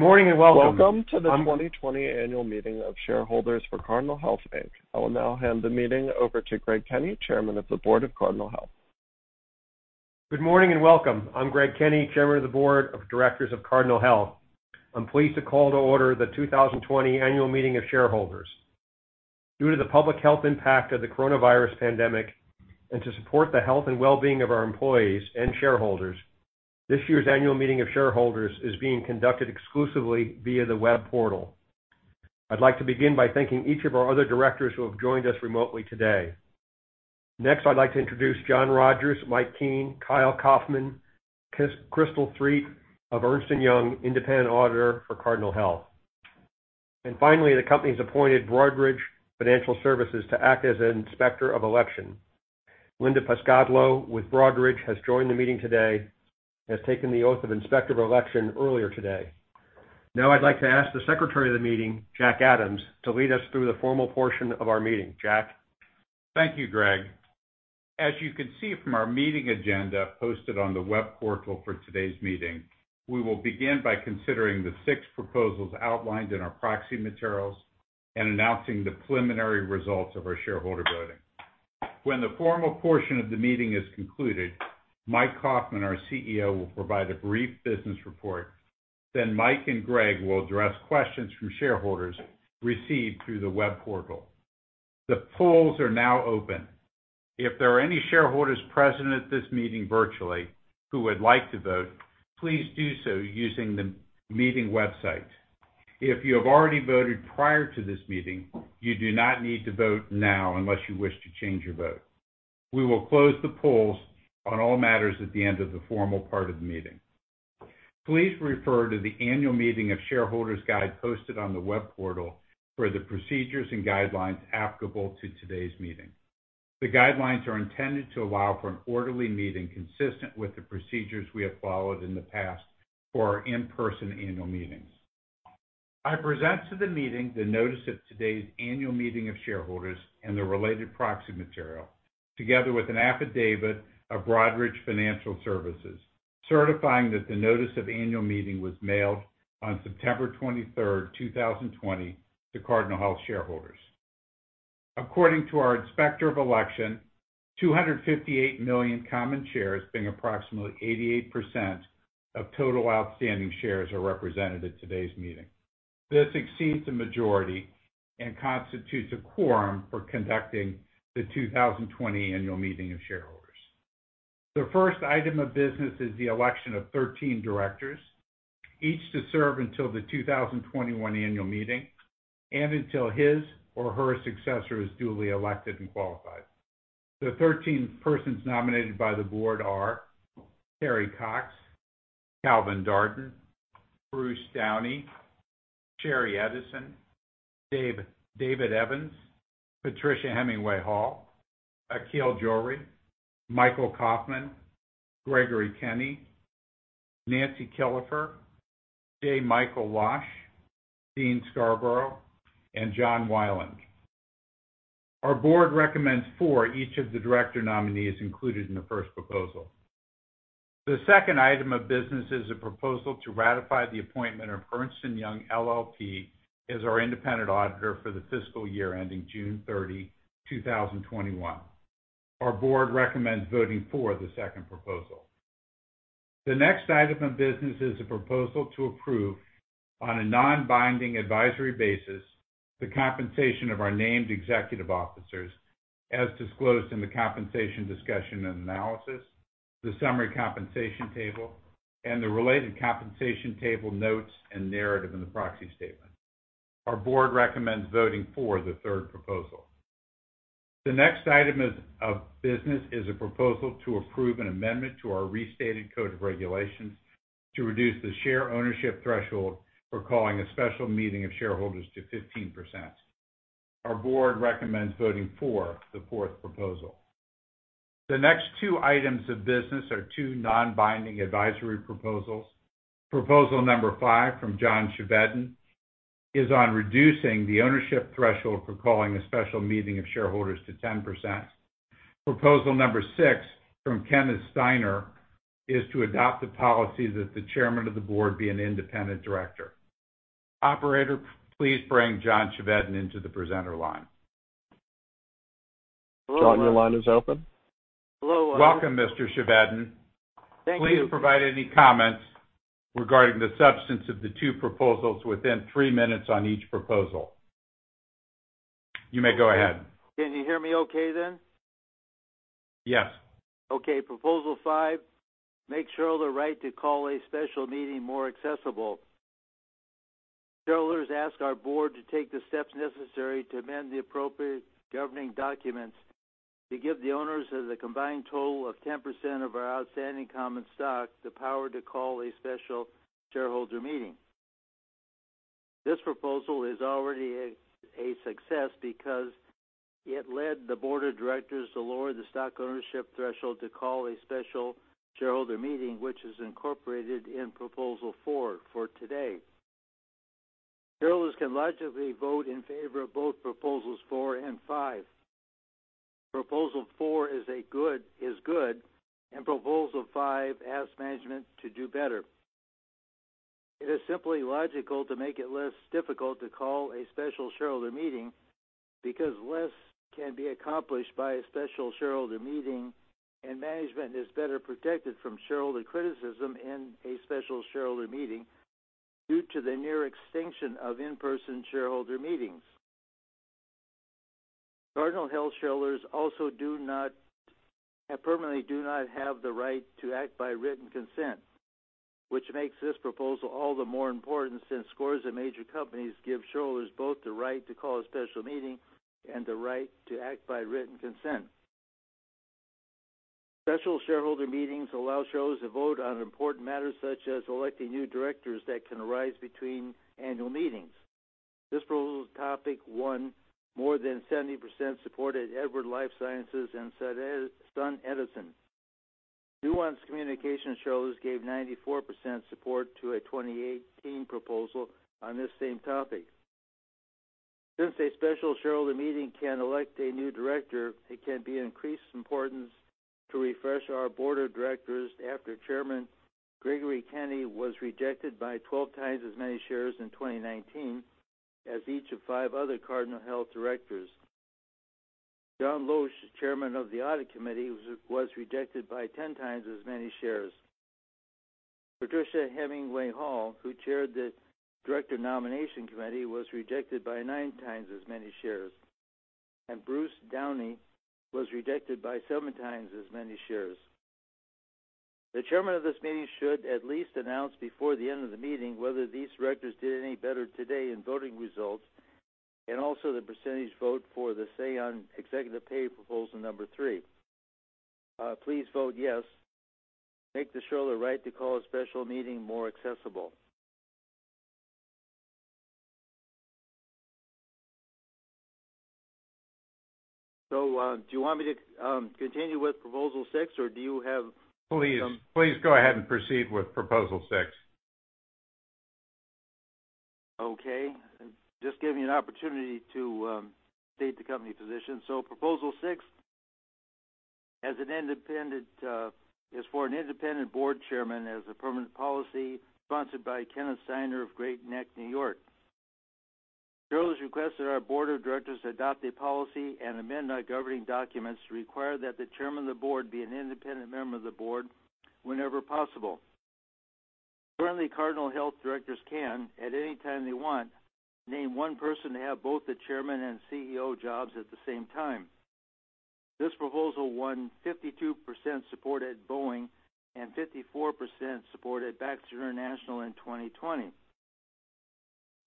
Good morning, and welcome. Welcome to the 2020 annual meeting of shareholders for Cardinal Health, Inc. I will now hand the meeting over to Greg Kenny, Chairman of the Board of Cardinal Health. Good morning, and welcome. I'm Greg Kenny, Chairman of the Board of Directors of Cardinal Health. I'm pleased to call to order the 2020 annual meeting of shareholders. Due to the public health impact of the coronavirus pandemic, and to support the health and wellbeing of our employees and shareholders, this year's annual meeting of shareholders is being conducted exclusively via the web portal. I'd like to begin by thanking each of our other directors who have joined us remotely today. I'd like to introduce John Rogers, Mike Keene, Kyle Kaufman, Crystal Threet of Ernst & Young, independent auditor for Cardinal Health. Finally, the company's appointed Broadridge Financial Solutions to act as an inspector of election. Linda Pasquadlo with Broadridge has joined the meeting today, has taken the oath of inspector of election earlier today. Now I'd like to ask the secretary of the meeting, Jack Adams, to lead us through the formal portion of our meeting. Jack? Thank you, Greg. As you can see from our meeting agenda posted on the web portal for today's meeting, we will begin by considering the six proposals outlined in our proxy materials and announcing the preliminary results of our shareholder voting. When the formal portion of the meeting is concluded, Mike Kaufmann, our CEO, will provide a brief business report. Mike and Greg will address questions from shareholders received through the web portal. The polls are now open. If there are any shareholders present at this meeting virtually who would like to vote, please do so using the meeting website. If you have already voted prior to this meeting, you do not need to vote now unless you wish to change your vote. We will close the polls on all matters at the end of the formal part of the meeting. Please refer to the annual meeting of shareholders guide posted on the web portal for the procedures and guidelines applicable to today's meeting. The guidelines are intended to allow for an orderly meeting consistent with the procedures we have followed in the past for our in-person annual meetings. I present to the meeting the notice of today's annual meeting of shareholders and the related proxy material, together with an affidavit of Broadridge Financial Solutions, certifying that the notice of annual meeting was mailed on September 23rd, 2020 to Cardinal Health shareholders. According to our inspector of election, 258 million common shares, being approximately 88% of total outstanding shares, are represented at today's meeting. This exceeds a majority and constitutes a quorum for conducting the 2020 annual meeting of shareholders. The first item of business is the election of 13 directors, each to serve until the 2021 annual meeting and until his or her successor is duly elected and qualified. The 13 persons nominated by the board are Carrie Cox, Calvin Darden, Bruce Downey, Sheri Edison, David Evans, Patricia Hemingway Hall, Akhil Johri, Mike Kaufmann, Gregory Kenny, Nancy Killefer, J. Michael Losh, Dean Scarborough, and John Weiland. Our board recommends for each of the director nominees included in the first proposal. The second item of business is a proposal to ratify the appointment of Ernst & Young LLP as our independent auditor for the fiscal year ending June 30, 2021. Our board recommends voting for the second proposal. The next item of business is a proposal to approve on a non-binding advisory basis the compensation of our named executive officers as disclosed in the compensation discussion and analysis, the summary compensation table, and the related compensation table notes and narrative in the proxy statement. Our board recommends voting for the third proposal. The next item of business is a proposal to approve an amendment to our restated code of regulations to reduce the share ownership threshold for calling a special meeting of shareholders to 15%. Our board recommends voting for the fourth proposal. The next two items of business are two non-binding advisory proposals. Proposal number five from John Chevedden is on reducing the ownership threshold for calling a special meeting of shareholders to 10%. Proposal number six from Kenneth Steiner is to adopt the policy that the chairman of the board be an independent director. Operator, please bring John Chevedden into the presenter line. John, your line is open. Welcome, Mr. Chevedden. Thank you. Please provide any comments regarding the substance of the two proposals within three minutes on each proposal. You may go ahead. Can you hear me okay then? Yes. Okay. Proposal five, make shareholder right to call a special meeting more accessible. Shareholders ask our board to take the steps necessary to amend the appropriate governing documents to give the owners of the combined total of 10% of our outstanding common stock the power to call a special shareholder meeting. This proposal is already a success because it led the board of directors to lower the stock ownership threshold to call a special shareholder meeting, which is incorporated in proposal four for today. Shareholders can logically vote in favor of both proposals four and five. Proposal four is good, and proposal five asks management to do better. It is simply logical to make it less difficult to call a special shareholder meeting because less can be accomplished by a special shareholder meeting and management is better protected from shareholder criticism in a special shareholder meeting due to the near extinction of in-person shareholder meetings. Cardinal Health shareholders also permanently do not have the right to act by written consent, which makes this proposal all the more important since scores of major companies give shareholders both the right to call a special meeting and the right to act by written consent. Special shareholder meetings allow shareholders to vote on important matters such as electing new directors that can arise between annual meetings. This proposal topic won more than 70% support at Edwards Lifesciences and SunEdison. Nuance Communications shareholders gave 94% support to a 2018 proposal on this same topic. Since a special shareholder meeting can elect a new director, it can be of increased importance to refresh our board of directors after Chairman Gregory Kenny was rejected by 12 times as many shares in 2019 as each of five other Cardinal Health directors. J. Michael Losh, chairman of the Audit Committee, was rejected by 10 times as many shares. Patricia Hemingway Hall, who chaired the Director Nomination Committee, was rejected by nine times as many shares, and Bruce L. Downey was rejected by seven times as many shares. The chairman of this meeting should at least announce before the end of the meeting whether these directors did any better today in voting results, and also the percentage vote for the Say on Executive Pay proposal number three. Please vote yes. Make the shareholder right to call a special meeting more accessible. Do you want me to continue with proposal six or do you have some-? Please, go ahead and proceed with proposal six. Just giving you an opportunity to state the company position. Proposal six is for an independent board chairman as a permanent policy sponsored by Kenneth Steiner of Great Neck, New York. Shareholders request that our board of directors adopt a policy and amend our governing documents to require that the chairman of the board be an independent member of the board whenever possible. Currently, Cardinal Health directors can, at any time they want, name one person to have both the chairman and CEO jobs at the same time. This proposal won 52% support at Boeing and 54% support at Baxter International in 2020.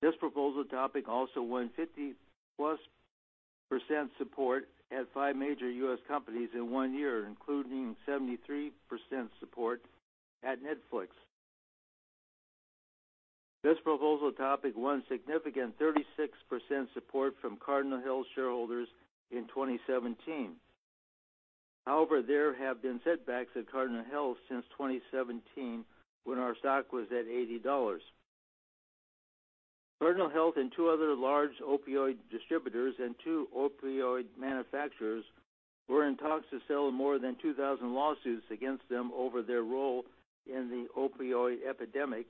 This proposal topic also won 50%+ support at five major U.S. companies in one year, including 73% support at Netflix. This proposal topic won significant 36% support from Cardinal Health shareholders in 2017. However, there have been setbacks at Cardinal Health since 2017, when our stock was at $80. Cardinal Health and two other large opioid distributors and two opioid manufacturers were in talks to settle more than 2,000 lawsuits against them over their role in the opioid epidemic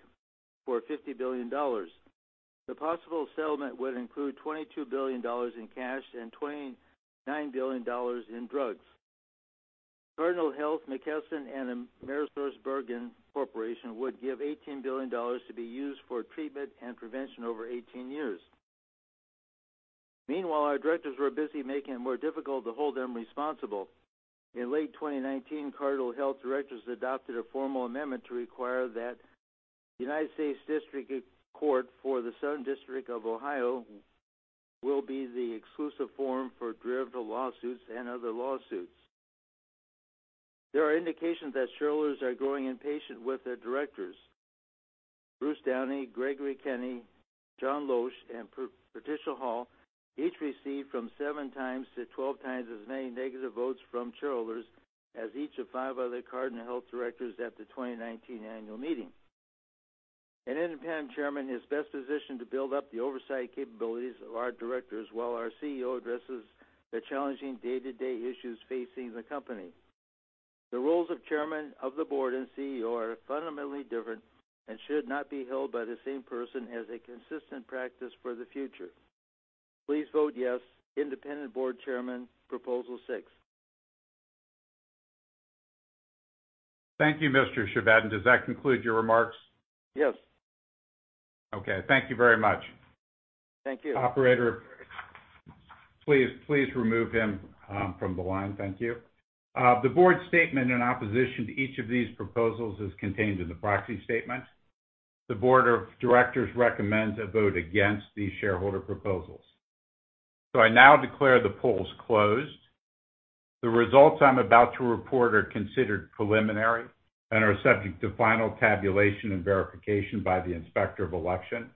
for $50 billion. The possible settlement would include $22 billion in cash and $29 billion in drugs. Cardinal Health, McKesson, and AmerisourceBergen Corporation would give $18 billion to be used for treatment and prevention over 18 years. Meanwhile, our directors were busy making it more difficult to hold them responsible. In late 2019, Cardinal Health directors adopted a formal amendment to require that United States District Court for the Southern District of Ohio will be the exclusive forum for derivative lawsuits and other lawsuits. There are indications that shareholders are growing impatient with their directors. Bruce Downey, Gregory Kenny, J. Michael Losh, and Patricia Hall each received from seven times to 12 times as many negative votes from shareholders as each of five other Cardinal Health directors at the 2019 annual meeting. An independent chairman is best positioned to build up the oversight capabilities of our directors while our CEO addresses the challenging day-to-day issues facing the company. The roles of chairman of the board and CEO are fundamentally different and should not be held by the same person as a consistent practice for the future. Please vote yes. Independent Board Chairman, proposal six. Thank you, Mr. Chevedden. Does that conclude your remarks? Yes. Okay. Thank you very much. Thank you. Operator, please remove him from the line. Thank you. The board's statement in opposition to each of these proposals is contained in the proxy statement. The board of directors recommends a vote against these shareholder proposals. I now declare the polls closed. The results I'm about to report are considered preliminary and are subject to final tabulation and verification by the Inspector of Election.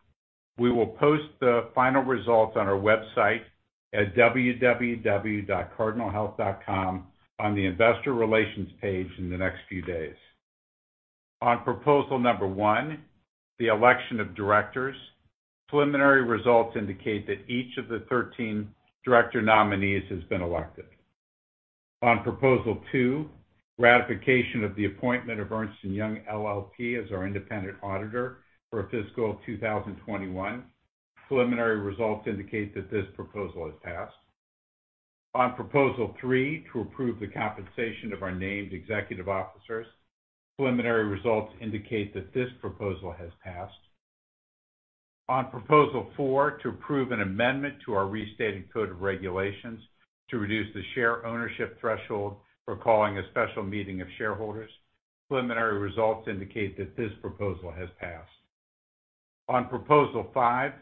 We will post the final results on our website at www.cardinalhealth.com on the investor relations page in the next few days. On proposal number one, the election of directors, preliminary results indicate that each of the 13 director nominees has been elected. On proposal two, ratification of the appointment of Ernst & Young LLP as our independent auditor for fiscal 2021, preliminary results indicate that this proposal has passed. On proposal three, to approve the compensation of our named executive officers, preliminary results indicate that this proposal has passed. On proposal four, to approve an amendment to our restated code of regulations to reduce the share ownership threshold for calling a special meeting of shareholders, preliminary results indicate that this proposal has passed. On proposal five,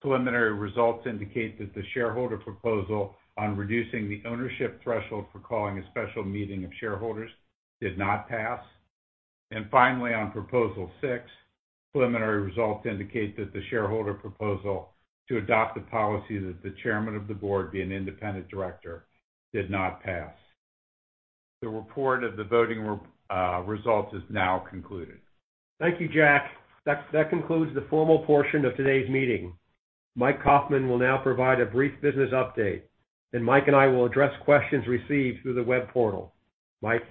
preliminary results indicate that the shareholder proposal on reducing the ownership threshold for calling a special meeting of shareholders did not pass. Finally, on proposal six, preliminary results indicate that the shareholder proposal to adopt the policy that the chairman of the board be an independent director did not pass. The report of the voting results is now concluded. Thank you, Jack. That concludes the formal portion of today's meeting. Mike Kaufmann will now provide a brief business update, and Mike and I will address questions received through the web portal. Mike?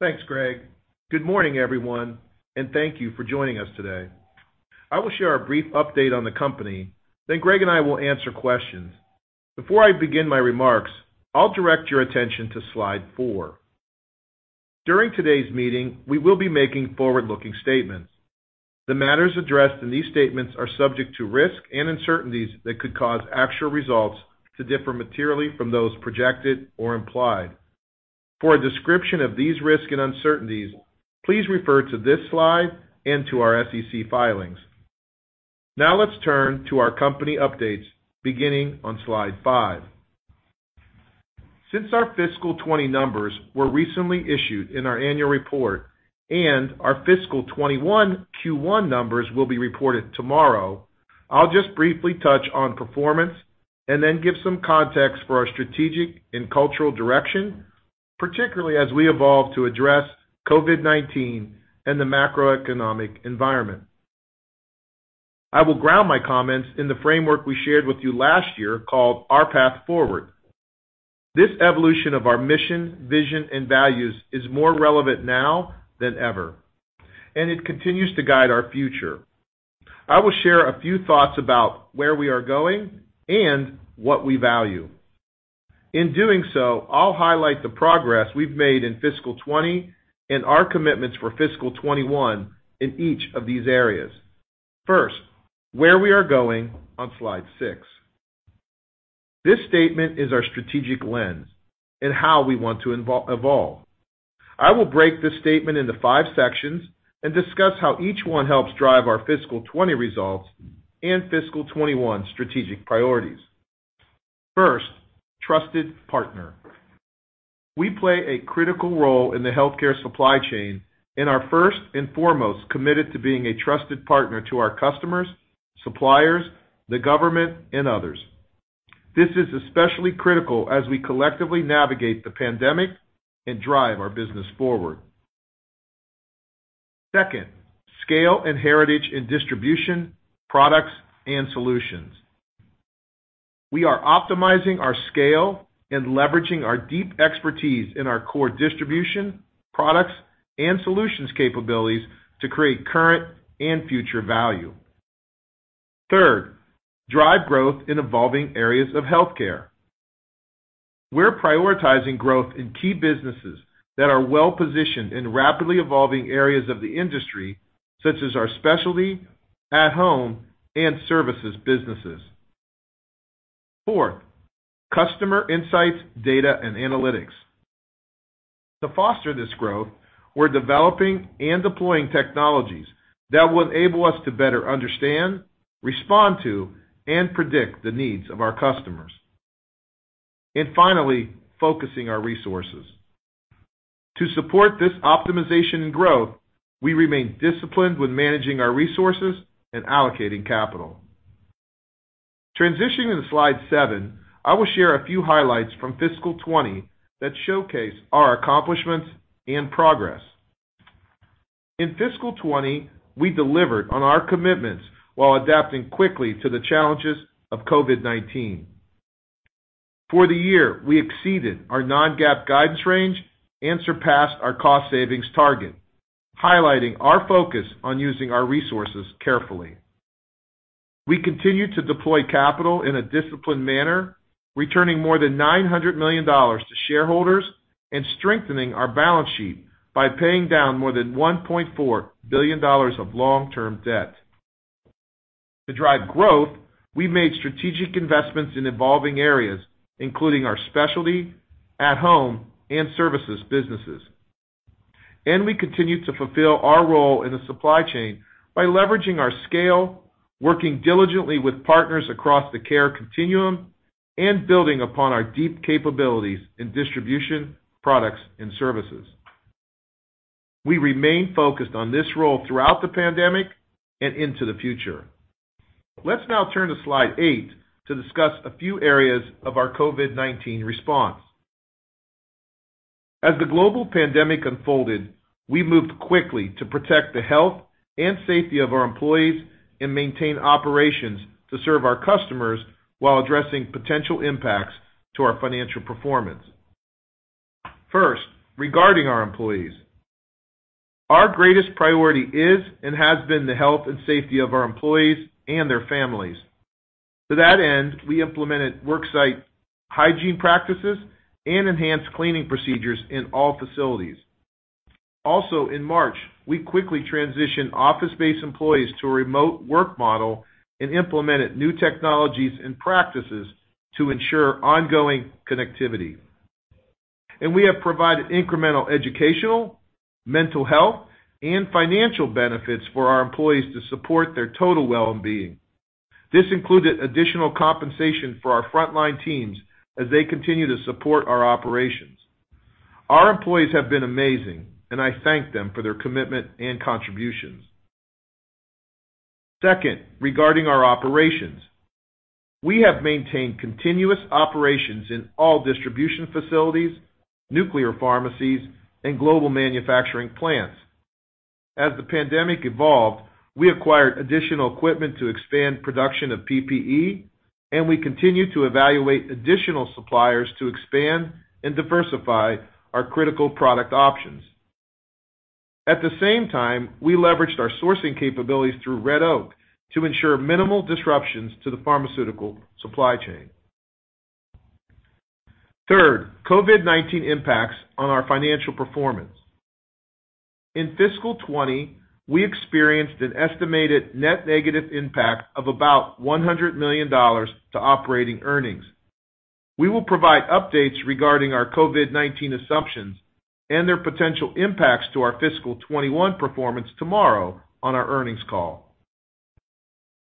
Thanks, Greg. Good morning, everyone, and thank you for joining us today. I will share a brief update on the company, then Greg and I will answer questions. Before I begin my remarks, I'll direct your attention to slide four. During today's meeting, we will be making forward-looking statements. The matters addressed in these statements are subject to risks and uncertainties that could cause actual results to differ materially from those projected or implied. For a description of these risks and uncertainties, please refer to this slide and to our SEC filings. Now let's turn to our company updates beginning on slide five. Since our fiscal 2020 numbers were recently issued in our annual report, and our fiscal 2021 Q1 numbers will be reported tomorrow, I'll just briefly touch on performance and then give some context for our strategic and cultural direction, particularly as we evolve to address COVID-19 and the macroeconomic environment. I will ground my comments in the framework we shared with you last year called Our Path Forward. This evolution of our mission, vision, and values is more relevant now than ever, and it continues to guide our future. I will share a few thoughts about where we are going and what we value. In doing so, I'll highlight the progress we've made in fiscal 2020 and our commitments for fiscal 2021 in each of these areas. First, where we are going on slide six. This statement is our strategic lens and how we want to evolve. I will break this statement into five sections and discuss how each one helps drive our fiscal 2020 results and fiscal 2021 strategic priorities. First, trusted partner. We play a critical role in the healthcare supply chain and are first and foremost committed to being a trusted partner to our customers, suppliers, the government, and others. This is especially critical as we collectively navigate the pandemic and drive our business forward. Second, scale and heritage in distribution, products, and solutions. We are optimizing our scale and leveraging our deep expertise in our core distribution, products, and solutions capabilities to create current and future value. Third, drive growth in evolving areas of healthcare. We're prioritizing growth in key businesses that are well-positioned in rapidly evolving areas of the industry, such as our specialty, at-home, and services businesses. Fourth, customer insights, data, and analytics. To foster this growth, we're developing and deploying technologies that will enable us to better understand, respond to, and predict the needs of our customers. Finally, focusing our resources. To support this optimization and growth, we remain disciplined with managing our resources and allocating capital. Transitioning to slide seven, I will share a few highlights from fiscal 2020 that showcase our accomplishments and progress. In fiscal 2020, we delivered on our commitments while adapting quickly to the challenges of COVID-19. For the year, we exceeded our non-GAAP guidance range and surpassed our cost savings target, highlighting our focus on using our resources carefully. We continued to deploy capital in a disciplined manner, returning more than $900 million to shareholders and strengthening our balance sheet by paying down more than $1.4 billion of long-term debt. To drive growth, we made strategic investments in evolving areas, including our specialty, at-home, and services businesses. We continued to fulfill our role in the supply chain by leveraging our scale, working diligently with partners across the care continuum, and building upon our deep capabilities in distribution, products, and services. We remain focused on this role throughout the pandemic and into the future. Let's now turn to slide eight to discuss a few areas of our COVID-19 response. As the global pandemic unfolded, we moved quickly to protect the health and safety of our employees and maintain operations to serve our customers while addressing potential impacts to our financial performance. First, regarding our employees. Our greatest priority is and has been the health and safety of our employees and their families. To that end, we implemented worksite hygiene practices and enhanced cleaning procedures in all facilities. In March, we quickly transitioned office-based employees to a remote work model and implemented new technologies and practices to ensure ongoing connectivity. We have provided incremental educational, mental health, and financial benefits for our employees to support their total wellbeing. This included additional compensation for our frontline teams as they continue to support our operations. Our employees have been amazing, and I thank them for their commitment and contributions. Second, regarding our operations. We have maintained continuous operations in all distribution facilities, nuclear pharmacies, and global manufacturing plants. As the pandemic evolved, we acquired additional equipment to expand production of PPE, and we continue to evaluate additional suppliers to expand and diversify our critical product options. At the same time, we leveraged our sourcing capabilities through Red Oak to ensure minimal disruptions to the pharmaceutical supply chain. Third, COVID-19 impacts on our financial performance. In fiscal 2020, we experienced an estimated net negative impact of about $100 million to operating earnings. We will provide updates regarding our COVID-19 assumptions and their potential impacts to our fiscal 2021 performance tomorrow on our earnings call.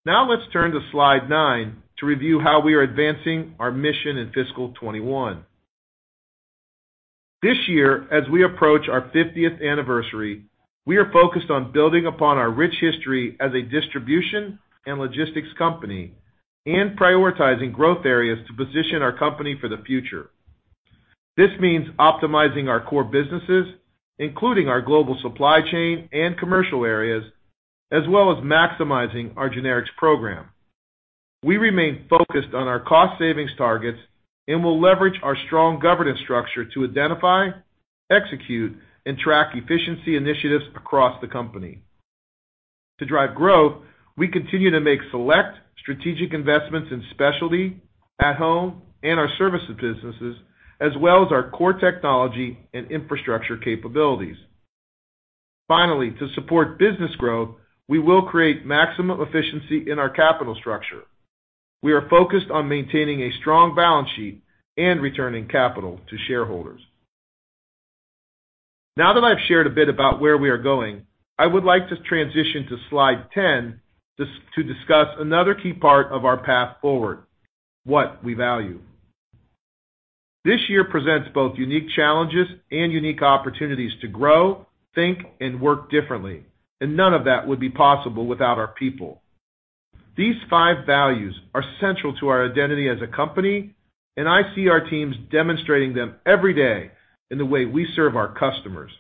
Let's turn to slide nine to review how we are advancing our mission in fiscal 2021. This year, as we approach our 50th anniversary, we are focused on building upon our rich history as a distribution and logistics company and prioritizing growth areas to position our company for the future. This means optimizing our core businesses, including our global supply chain and commercial areas, as well as maximizing our generics program. We remain focused on our cost savings targets and will leverage our strong governance structure to identify, execute, and track efficiency initiatives across the company. To drive growth, we continue to make select strategic investments in specialty, at home, and our services businesses, as well as our core technology and infrastructure capabilities. Finally, to support business growth, we will create maximum efficiency in our capital structure. We are focused on maintaining a strong balance sheet and returning capital to shareholders. Now that I've shared a bit about where we are going, I would like to transition to slide 10 to discuss another key part of Our Path Forward, what we value. This year presents both unique challenges and unique opportunities to grow, think, and work differently, and none of that would be possible without our people. These five values are central to our identity as a company, and I see our teams demonstrating them every day in the way we serve our customers.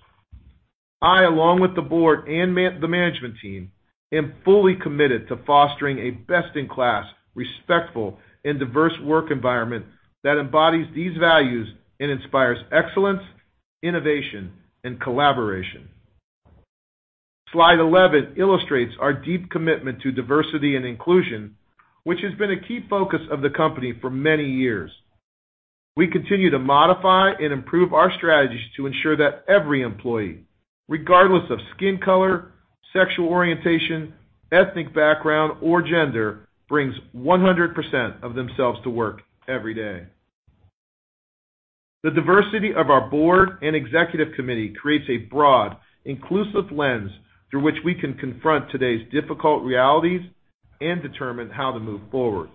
I, along with the board and the management team, am fully committed to fostering a best-in-class, respectful, and diverse work environment that embodies these values and inspires excellence, innovation, and collaboration. Slide 11 illustrates our deep commitment to diversity and inclusion, which has been a key focus of the company for many years. We continue to modify and improve our strategies to ensure that every employee, regardless of skin color, sexual orientation, ethnic background, or gender, brings 100% of themselves to work every day. The diversity of our board and executive committee creates a broad, inclusive lens through which we can confront today's difficult realities and determine how to move forward.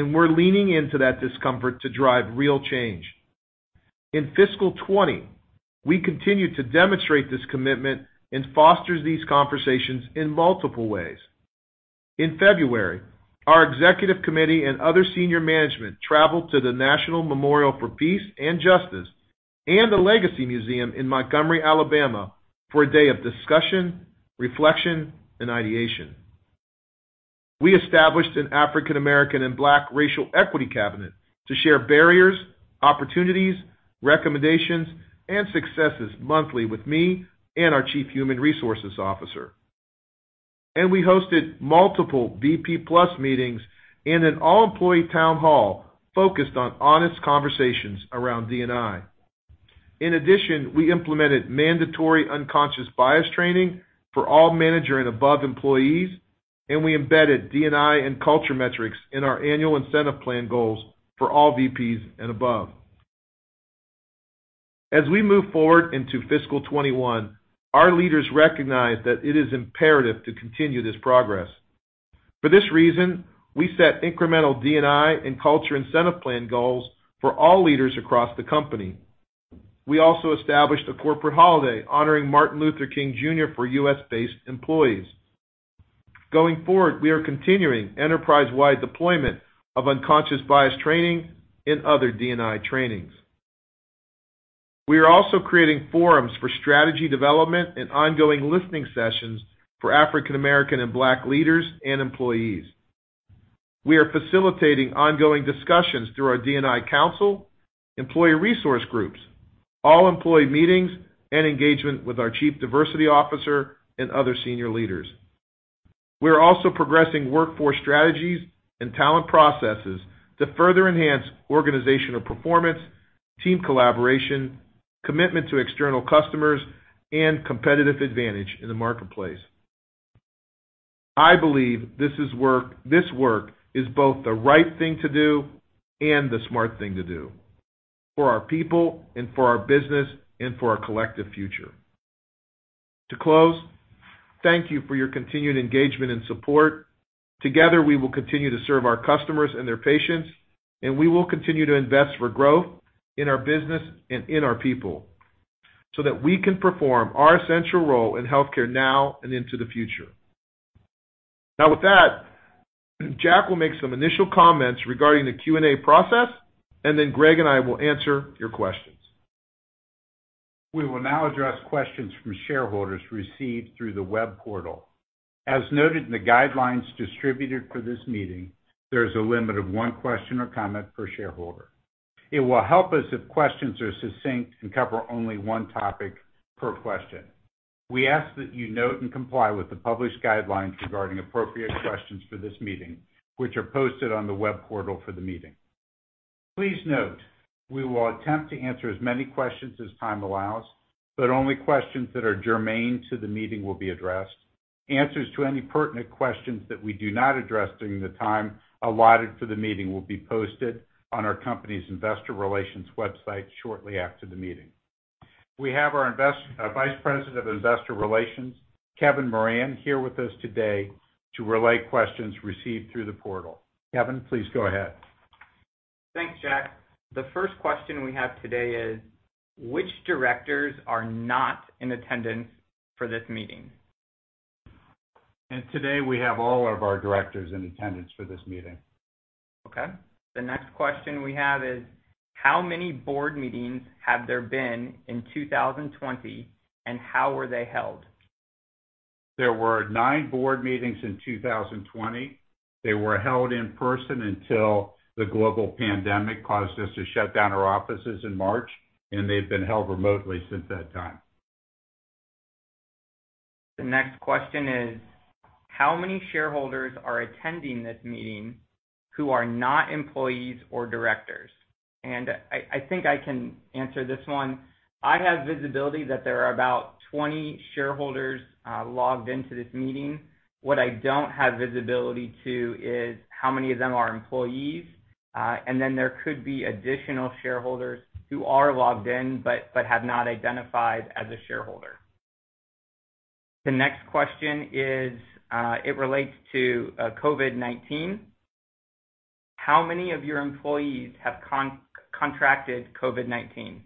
We're leaning into that discomfort to drive real change. In FY 2020, we continued to demonstrate this commitment and foster these conversations in multiple ways. In February, our executive committee and other senior management traveled to the National Memorial for Peace and Justice and the Legacy Museum in Montgomery, Alabama, for a day of discussion, reflection, and ideation. We established an African American and Black Racial Equity Cabinet to share barriers, opportunities, recommendations, and successes monthly with me and our Chief Human Resources Officer. We hosted multiple VP Plus meetings and an all-employee town hall focused on honest conversations around D&I. In addition, we implemented mandatory unconscious bias training for all manager and above employees, and we embedded D&I and culture metrics in our annual incentive plan goals for all VPs and above. As we move forward into fiscal 2021, our leaders recognize that it is imperative to continue this progress. For this reason, we set incremental D&I and culture incentive plan goals for all leaders across the company. We also established a corporate holiday honoring Martin Luther King Jr. for U.S.-based employees. Going forward, we are continuing enterprise-wide deployment of unconscious bias training and other D&I trainings. We are also creating forums for strategy development and ongoing listening sessions for African American and Black leaders and employees. We are facilitating ongoing discussions through our D&I council, employee resource groups, all-employee meetings, and engagement with our chief diversity officer and other senior leaders. We're also progressing workforce strategies and talent processes to further enhance organizational performance, team collaboration, commitment to external customers, and competitive advantage in the marketplace. I believe this work is both the right thing to do and the smart thing to do for our people and for our business and for our collective future. To close, thank you for your continued engagement and support. With that, Jack will make some initial comments regarding the Q&A process, and then Greg and I will answer your questions. We will now address questions from shareholders received through the web portal. As noted in the guidelines distributed for this meeting, there is a limit of one question or comment per shareholder. It will help us if questions are succinct and cover only one topic per question. We ask that you note and comply with the published guidelines regarding appropriate questions for this meeting, which are posted on the web portal for the meeting. Please note, we will attempt to answer as many questions as time allows, but only questions that are germane to the meeting will be addressed. Answers to any pertinent questions that we do not address during the time allotted for the meeting will be posted on our company's investor relations website shortly after the meeting. We have our Vice President of Investor Relations, Kevin Moran, here with us today to relay questions received through the portal. Kevin, please go ahead. Thanks, Jack. The first question we have today is, which directors are not in attendance for this meeting? Today, we have all of our directors in attendance for this meeting. The next question we have is, how many board meetings have there been in 2020, and how were they held? There were nine board meetings in 2020. They were held in person until the global pandemic caused us to shut down our offices in March, and they've been held remotely since that time. The next question is, how many shareholders are attending this meeting who are not employees or directors? I think I can answer this one. I have visibility that there are about 20 shareholders logged into this meeting. What I don't have visibility to is how many of them are employees. Then there could be additional shareholders who are logged in but have not identified as a shareholder. The next question relates to COVID-19. How many of your employees have contracted COVID-19?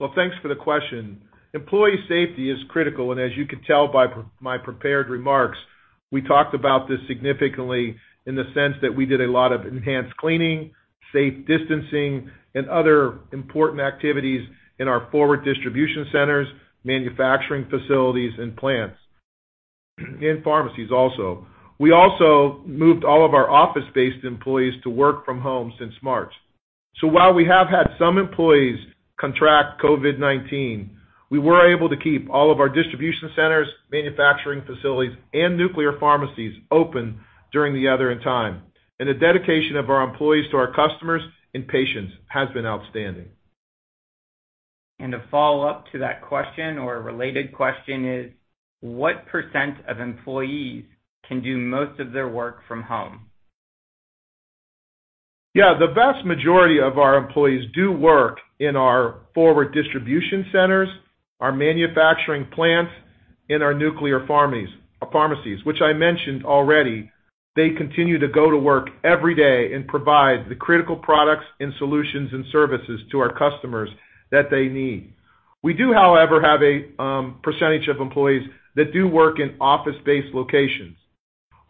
Well, thanks for the question. Employee safety is critical, and as you can tell by my prepared remarks, we talked about this significantly in the sense that we did a lot of enhanced cleaning, safe distancing, and other important activities in our forward distribution centers, manufacturing facilities, and plants, and pharmacies also. We also moved all of our office-based employees to work from home since March. While we have had some employees contract COVID-19, we were able to keep all of our distribution centers, manufacturing facilities, and nuclear pharmacies open during the other time. The dedication of our employees to our customers and patients has been outstanding. A follow-up to that question or a related question is, what percent of employees can do most of their work from home? Yeah. The vast majority of our employees do work in our forward distribution centers, our manufacturing plants, and our nuclear pharmacies, which I mentioned already. They continue to go to work every day and provide the critical products and solutions and services to our customers that they need. We do, however, have a percentage of employees that do work in office-based locations.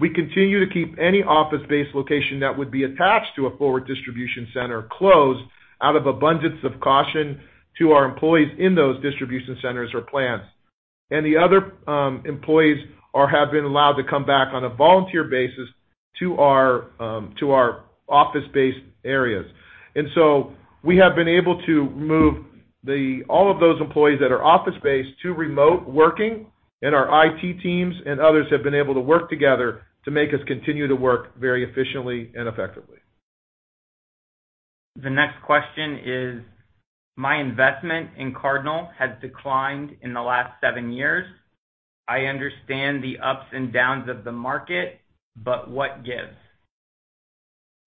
We continue to keep any office-based location that would be attached to a forward distribution center closed out of abundance of caution to our employees in those distribution centers or plants. The other employees have been allowed to come back on a volunteer basis to our office-based areas. We have been able to move all of those employees that are office-based to remote working, and our IT teams and others have been able to work together to make us continue to work very efficiently and effectively. The next question is, my investment in Cardinal has declined in the last seven years. I understand the ups and downs of the market, but what gives?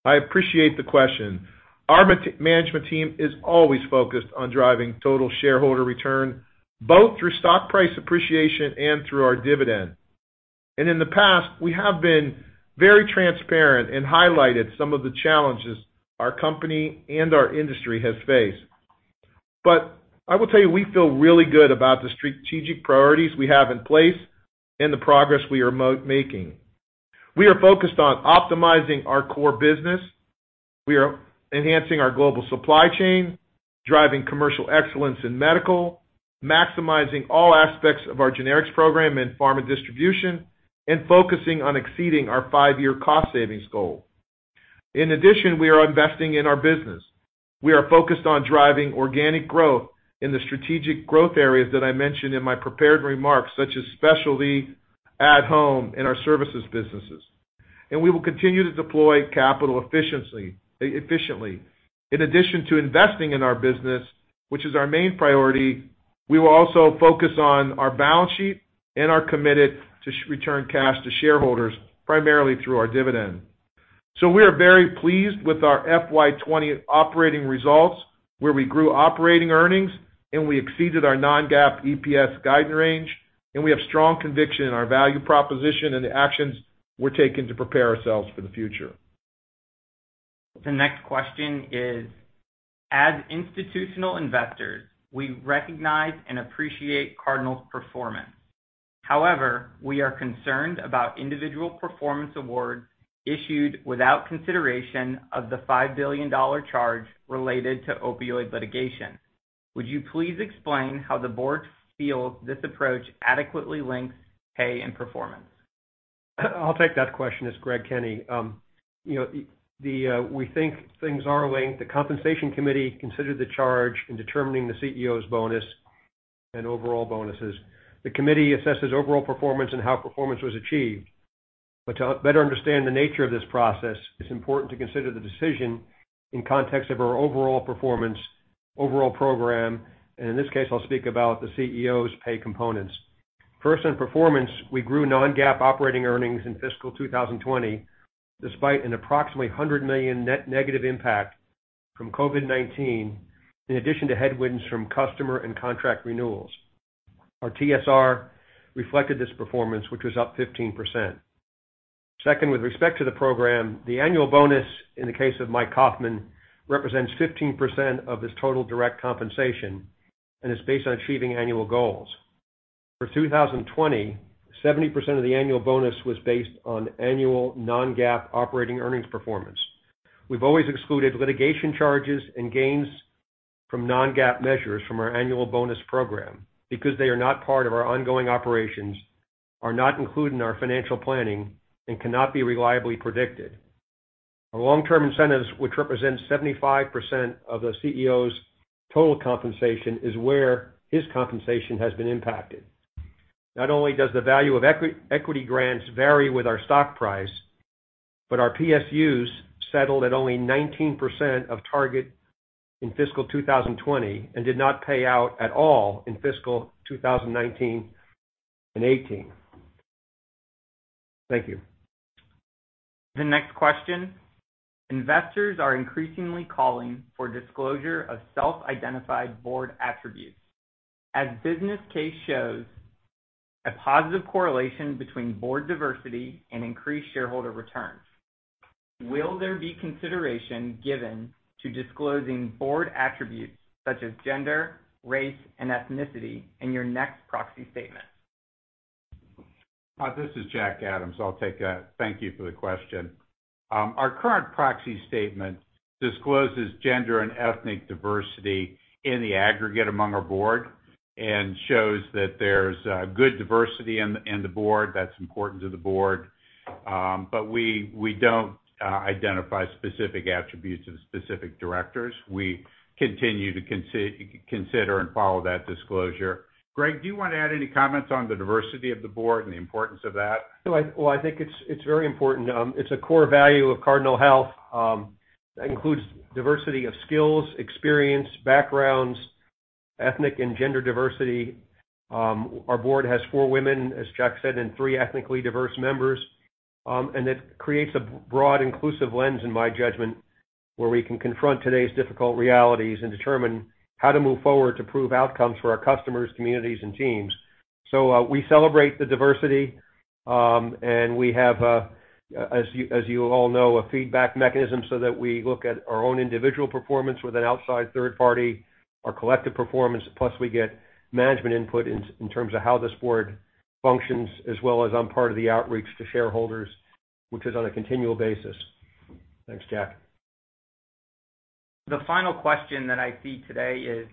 I appreciate the question. Our management team is always focused on driving total shareholder return, both through stock price appreciation and through our dividend. In the past, we have been very transparent and highlighted some of the challenges our company and our industry has faced. I will tell you, we feel really good about the strategic priorities we have in place and the progress we are making. We are focused on optimizing our core business. We are enhancing our global supply chain, driving commercial excellence in medical, maximizing all aspects of our generics program and pharma distribution, and focusing on exceeding our five-year cost savings goal. In addition, we are investing in our business. We are focused on driving organic growth in the strategic growth areas that I mentioned in my prepared remarks, such as specialty, at-home, and our services businesses. We will continue to deploy capital efficiently. In addition to investing in our business, which is our main priority, we will also focus on our balance sheet and are committed to return cash to shareholders, primarily through our dividend. We are very pleased with our FY 2020 operating results, where we grew operating earnings and we exceeded our non-GAAP EPS guidance range, and we have strong conviction in our value proposition and the actions we're taking to prepare ourselves for the future. The next question is: As institutional investors, we recognize and appreciate Cardinal's performance. However, we are concerned about individual performance awards issued without consideration of the $5 billion charge related to opioid litigation. Would you please explain how the board feels this approach adequately links pay and performance? I'll take that question. It's Greg Kenny. We think things are linked. The Compensation Committee considered the charge in determining the CEO's bonus and overall bonuses. The committee assesses overall performance and how performance was achieved. To better understand the nature of this process, it's important to consider the decision in context of our overall performance, overall program, and in this case, I'll speak about the CEO's pay components. First, on performance, we grew non-GAAP operating earnings in fiscal 2020, despite an approximately $100 million net negative impact from COVID-19, in addition to headwinds from customer and contract renewals. Our TSR reflected this performance, which was up 15%. Second, with respect to the program, the annual bonus, in the case of Mike Kaufmann, represents 15% of his total direct compensation and is based on achieving annual goals. For 2020, 70% of the annual bonus was based on annual non-GAAP operating earnings performance. We've always excluded litigation charges and gains from non-GAAP measures from our annual bonus program because they are not part of our ongoing operations, are not included in our financial planning, and cannot be reliably predicted. Our long-term incentives, which represents 75% of the CEO's total compensation, is where his compensation has been impacted. Not only does the value of equity grants vary with our stock price, but our PSUs settled at only 19% of target in fiscal 2020 and did not pay out at all in fiscal 2019 and 2018. Thank you. The next question: Investors are increasingly calling for disclosure of self-identified board attributes. As business case shows, a positive correlation between board diversity and increased shareholder returns. Will there be consideration given to disclosing board attributes such as gender, race, and ethnicity in your next proxy statement? This is Jack Adams. I'll take that. Thank you for the question. Our current proxy statement discloses gender and ethnic diversity in the aggregate among our board and shows that there's good diversity in the board. That's important to the board. We don't identify specific attributes of specific directors. We continue to consider and follow that disclosure. Greg, do you want to add any comments on the diversity of the board and the importance of that? Well, I think it's very important. It's a core value of Cardinal Health. That includes diversity of skills, experience, backgrounds, ethnic and gender diversity. Our board has four women, as Jack said, and three ethnically diverse members. It creates a broad, inclusive lens, in my judgment, where we can confront today's difficult realities and determine how to move forward to prove outcomes for our customers, communities, and teams. We celebrate the diversity, and we have, as you all know, a feedback mechanism so that we look at our own individual performance with an outside third party, our collective performance. Plus, we get management input in terms of how this board functions, as well as on part of the outreach to shareholders, which is on a continual basis. Thanks, Jack. The final question that I see today is: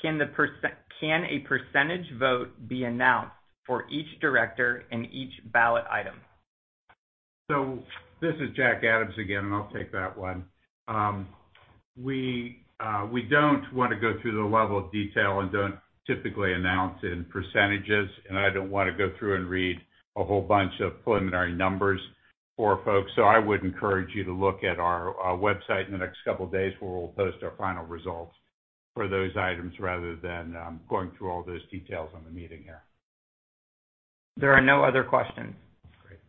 Can a percentage vote be announced for each director and each ballot item? This is Jack Adams again, and I'll take that one. We don't want to go through the level of detail and don't typically announce it in percentages, and I don't want to go through and read a whole bunch of preliminary numbers for folks. I would encourage you to look at our website in the next couple of days where we'll post our final results for those items rather than going through all those details on the meeting here. There are no other questions. Great.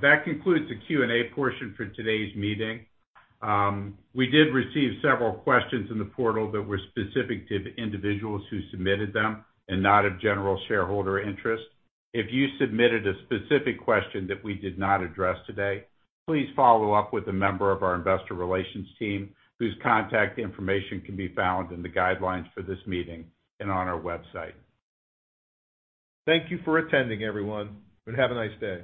That concludes the Q&A portion for today's meeting. We did receive several questions in the portal that were specific to the individuals who submitted them and not of general shareholder interest. If you submitted a specific question that we did not address today, please follow up with a member of our investor relations team, whose contact information can be found in the guidelines for this meeting and on our website. Thank you for attending, everyone, and have a nice day.